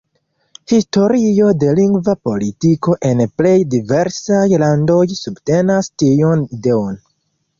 Historio de lingva politiko en plej diversaj landoj subtenas tiun ideon.